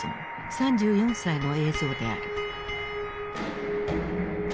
３４歳の映像である。